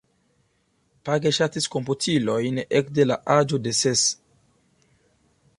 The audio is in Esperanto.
Page ŝatis komputilojn ekde la aĝo de ses.